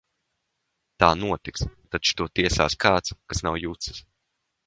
Tā notiks, taču to tiesās kāds, kas nav jucis!